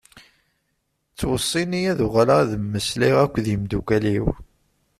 Ttweṣṣin-iyi ad uɣaleɣ ad mmeslayeɣ akked yimdukal-iw.